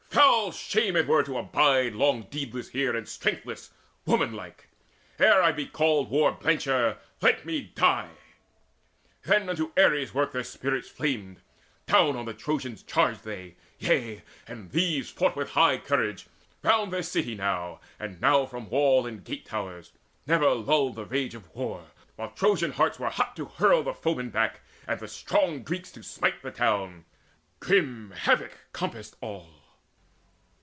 Foul shame it were to abide Long deedless here and strengthless, womanlike! Ere I be called war blencher, let me die!" Then unto Ares' work their spirits flamed. Down on the Trojans charged they: yea, and these Fought with high courage, round their city now, And now from wall and gate towers. Never lulled The rage of war, while Trojan hearts were hot To hurl the foemen back, and the strong Greeks To smite the town: grim havoc compassed all.